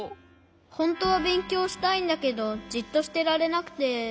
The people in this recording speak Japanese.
ほんとはべんきょうしたいんだけどじっとしてられなくて。